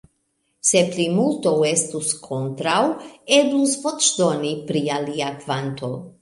Se plimulto estus kontraŭ, eblus voĉdoni pri alia kvanto.